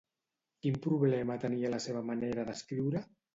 Quin problema tenia la seva manera d'escriure?